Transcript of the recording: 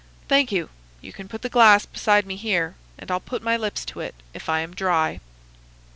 Thank you; you can put the glass beside me here, and I'll put my lips to it if I am dry.